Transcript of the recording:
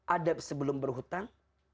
adab sebelum berhutang